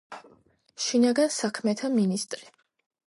შინაგან საქმეთა მინისტრი.